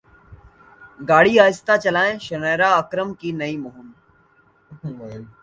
گاڑی اہستہ چلائیں شنیرا اکرم کی نئی مہم